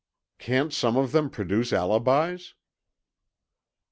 "Can't some of them produce alibis?"